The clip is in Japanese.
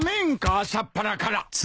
朝っぱらから。